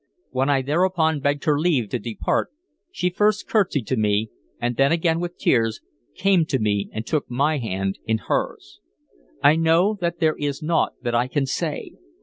When I thereupon begged her leave to depart, she first curtsied to me, and then, again with tears, came to me and took my hand in hers. "I know that there is naught that I can say....